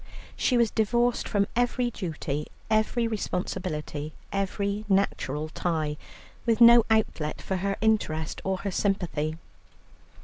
She was divorced from every duty, every responsibility, every natural tie, with no outlet for her interest or her sympathy.